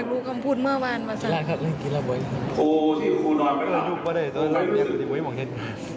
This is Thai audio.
แบบบ้าวอีกหนึ่งหน่อยก็ก็อ่อน